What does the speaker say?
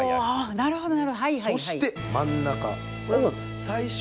なるほどね。